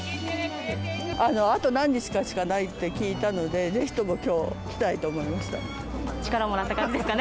あと何日かしかないって聞いたので、ぜひともきょう来たいと思いました。